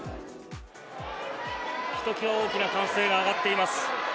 ひときわ大きな歓声が上がっています。